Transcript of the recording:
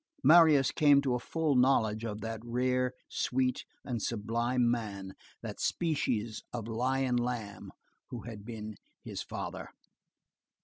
Marius came to a full knowledge of that rare, sweet, and sublime man, that species of lion lamb who had been his father.